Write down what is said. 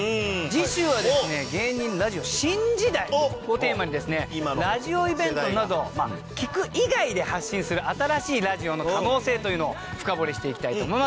次週はですね芸人ラジオ新時代をテーマにですねラジオイベントなど聴く以外で発信する新しいラジオの可能性というのを深掘りしていきたいと思います。